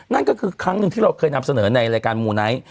นั่นก็คือครั้งหนึ่งที่เราเคยนำเสนอในรายการมูไนท์